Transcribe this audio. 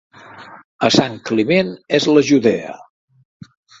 A Sant Climent és la Judea.